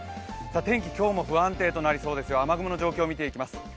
天気、今日も不安定となりそうですが雨雲の状況を見ていきます。